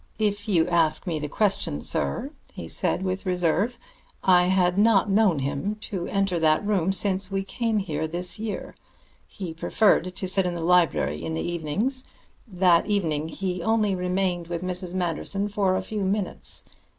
"If you ask me the question, sir," he said with reserve, "I had not known him enter that room since we came here this year. He preferred to sit in the library in the evenings. That evening he only remained with Mrs. Manderson for a few minutes.